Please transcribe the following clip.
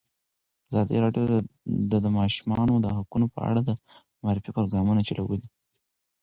ازادي راډیو د د ماشومانو حقونه په اړه د معارفې پروګرامونه چلولي.